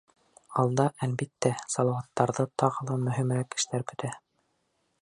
Алда, әлбиттә, салауаттарҙы тағы ла мөһимерәк эштәр көтә.